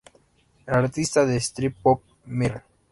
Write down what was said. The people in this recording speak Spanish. El artista de "streep pop" Mr.